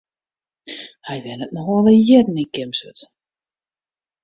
Hy wennet no al wer jierren yn Kimswert.